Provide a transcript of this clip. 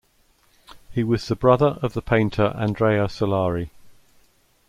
He was the brother of the painter Andrea Solari.